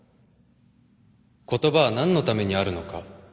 言葉は何のためにあるのか。